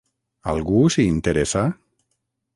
¿Algú s'hi interessa?